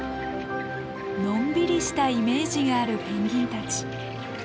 のんびりしたイメージがあるペンギンたち。